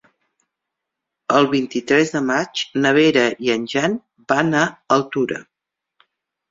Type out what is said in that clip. El vint-i-tres de maig na Vera i en Jan van a Altura.